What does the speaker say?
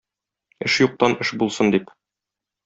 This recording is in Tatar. Эш юктан эш булсын дип.